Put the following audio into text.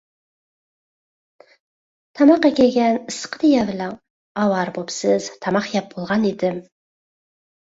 تاماق ئەكەلگەن، ئىسسىقىدا يەۋېلىڭ، ئاۋارە بولۇپسىز، تاماق يەپ بولغان ئىدىم.